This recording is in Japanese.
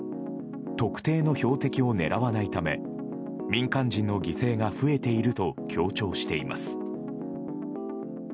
特定の標的を狙わないため民間人の犠牲が増えていると強調しています。